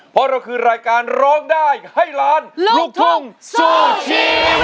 เพราะเราคือรายการร้องได้ให้ล้านลูกทุ่งสู้ชีวิต